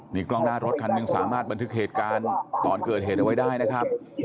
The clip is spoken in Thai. มีกล้องหน้ารถคันหนึ่งสามารถบันทึกเหตุการณ์ตอนเกิดเหตุเอาไว้ได้นะครับ